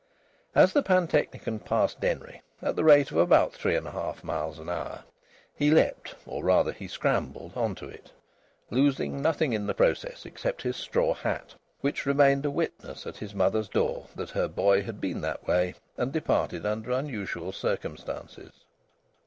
As the pantechnicon passed Denry, at the rate of about three and a half miles an hour, he leaped, or rather he scrambled, on to it, losing nothing in the process except his straw hat, which remained a witness at his mother's door that her boy had been that way and departed under unusual circumstances.